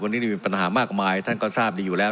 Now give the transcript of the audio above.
วันนี้มีปัญหามากมายท่านก็ทราบดีอยู่แล้ว